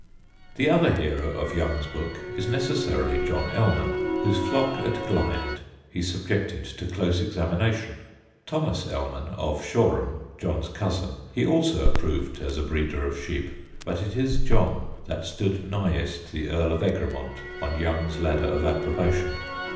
The other hero of Young's book is necessarily John Ellman, whose flock at Glynde he subjected to close examination. Thomas Ellman, of Shoreham, John's cousin, he also approved as a breeder of sheep, but it is John that stood nighest the Earl of Egremont on Young's ladder of approbation.